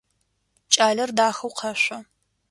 Кӏалэр дахэу къэшъо.